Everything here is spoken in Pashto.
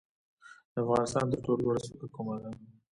د افغانستان تر ټولو لوړه څوکه کومه ده؟